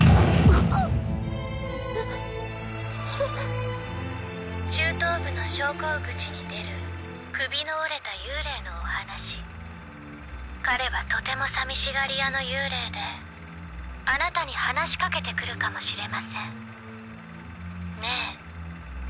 ハッ中等部の昇降口に出る首の折れた幽霊のお話彼はとても寂しがり屋の幽霊であなたに話しかけてくるかもしれませんねえ